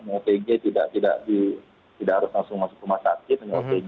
otg tidak harus langsung masuk ke rumah sakit hanya otg